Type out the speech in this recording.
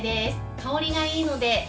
香りがいいので。